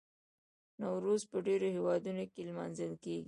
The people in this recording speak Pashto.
نوروز په ډیرو هیوادونو کې لمانځل کیږي.